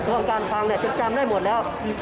ส่วนการคลังเนี่ยจะจำได้หมดแล้ว